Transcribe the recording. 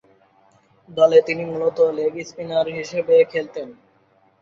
দলে তিনি মূলতঃ লেগ স্পিনার হিসেবে খেলতেন।